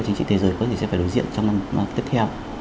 chính trị thế giới có thể sẽ phải đối diện trong năm tiếp theo